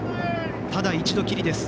ただ一度きりです。